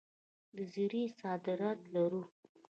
د زیرې صادرات لرو؟